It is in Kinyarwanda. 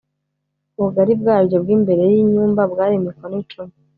ubugari bwaryo bw’imbere y’inyumba bwari mikono icumi